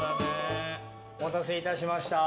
お待たせいたしました。